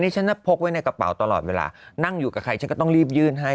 ฉันพกไว้ในกระเป๋าตลอดเวลานั่งอยู่กับใครฉันก็ต้องรีบยื่นให้